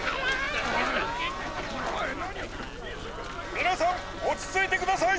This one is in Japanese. みなさんおちついてください！